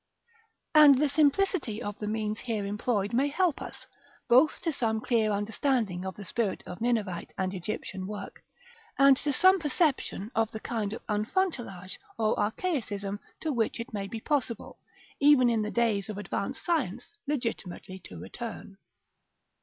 § XI. And the simplicity of the means here employed may help us, both to some clear understanding of the spirit of Ninevite and Egyptian work, and to some perception of the kind of enfantillage or archaicism to which it may be possible, even in days of advanced science, legitimately to return.